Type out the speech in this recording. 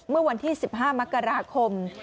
เมื่อวันที่๑๕มกราคม